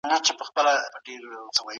تصحيح او چاپ په نظر کي نيولو سره، د افغانستان